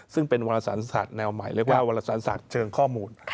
ซึ่งเป็นวรสารศาสตร์แนวใหม่เรียกว่าวรสารศาสตร์เชิงข้อมูล